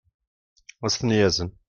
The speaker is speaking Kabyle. ad as-ten-yazen